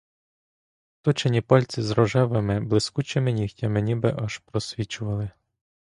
Точені пальці з рожевими, блискучими нігтями ніби аж просвічували.